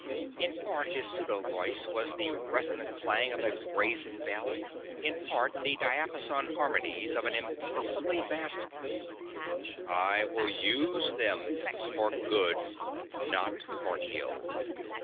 In part his pseudo voice was the resonant clang of a brazen bell; in part the diapason harmonies of an impossibly vast organ. "I will use them for good, not for ill.